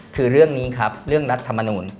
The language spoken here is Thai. คือเรื่องนี้ครับเรื่องรัฐมนูล